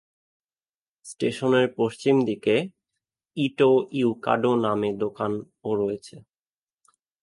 স্টেশনের পশ্চিম দিকে ইটো-ইউকাডো নামে দোকান ও রয়েছে।